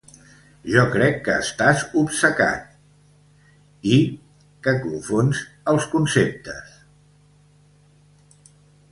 -Jo crec que estàs obcecat… i que confons els conceptes…